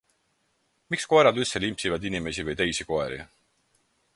Miks koerad üldse limpsivad inimesi või teisi koeri?